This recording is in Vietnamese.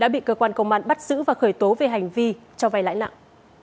bị cơ quan công an bắt giữ và khởi tố về hành vi cho vai lãi nặng